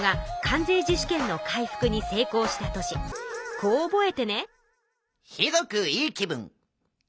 こう覚えてね！